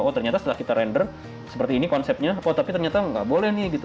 oh ternyata setelah kita randor seperti ini konsepnya apa tapi ternyata nggak boleh nih gitu